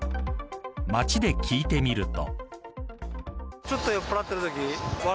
街で聞いてみると。